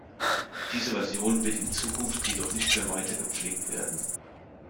Diese Version wird in Zukunft jedoch nicht mehr weiter gepflegt werden.